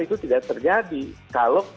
itu tidak terjadi kalau